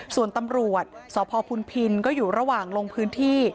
ส่วนตำรวจสพพุนพินก็อยู่ระหว่างลงพื้นที่